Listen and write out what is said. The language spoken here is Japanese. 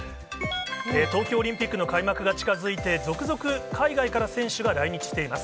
東京オリンピックの開幕が近づいて、続々海外から選手が来日しています。